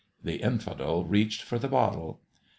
The Infidel reached for the bottle.